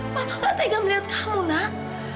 mama gak tegang melihat kamu nak